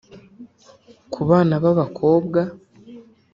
ku bana b’abakobwa